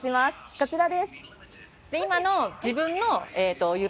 こちらです